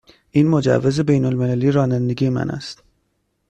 این مجوز بین المللی رانندگی من است.